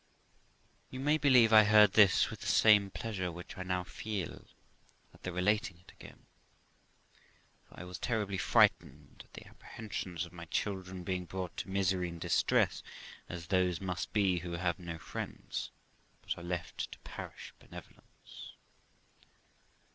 You may believe I heard this with the same pleasure which I now feel at the relating it again; for I was terribly affrighted at the apprehensions of my children being brought to misery and distress, as those must be who have no friends, but are left to parish benevolence.